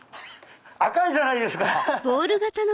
赤いじゃないですか！